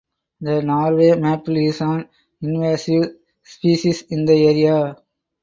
The Norway maple is an invasive species in the area.